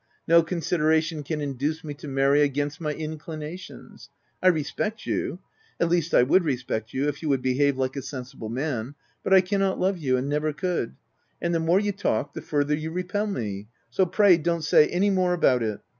No consideration can induce me to marry against my inclinations. I respect you — at least, I would respect you, if you would behave like a sensible man — but I cannot love you, and never could — and the more you talk the farther you repel me ; so pray don't say any more about it."